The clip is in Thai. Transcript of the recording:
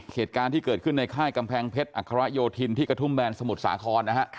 เหตุการณ์ที่เกิดขึ้นในค่ายกำแพงเพชรอัคระโยธินที่กระทุ่มแบนสมุทรสาครนะฮะ